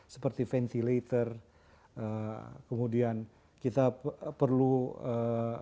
seperti ventilator kemudian kita perlu ee